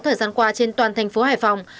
thời gian qua trên toàn thành phố hải phòng